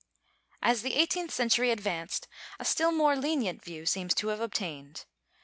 As the eighteenth century advanced a still more lenient view seems to have obtained.